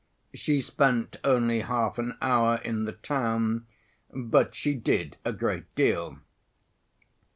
She spent only half an hour in the town but she did a great deal.